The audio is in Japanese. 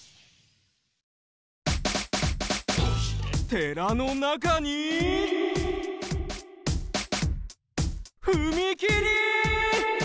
寺の中にふみきり！